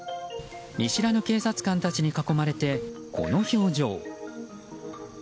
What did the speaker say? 見知らぬ警察官たちに囲まれてこの表情。